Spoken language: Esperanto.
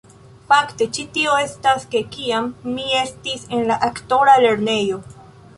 Fakte, ĉi tio estas de kiam mi estis en la aktora lernejo